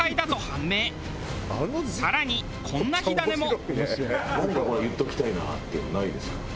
更にこんな火種も。